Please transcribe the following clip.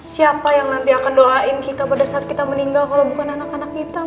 siapa yang nanti akan doain kita pada saat kita meninggal kalau bukan anak anak kita